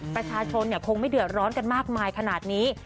ประชาชนคงไม่เดือดร้อนกันมากมายขนาดนี้